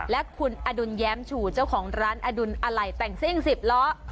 และคุณอดุลแย้มชูเจ้าของร้านอดุลอะไหล่แต่งซิ่ง๑๐ล้อ